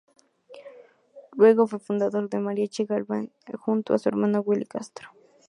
Luego fue fundador del ""Mariachi Gavilán"" junto a su hermano Willy Castro.